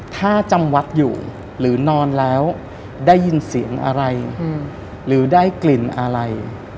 ถ้าจำวัดอยู่หรือนอนแล้วได้ยินเสียงอะไรหรือได้กลิ่นอะไร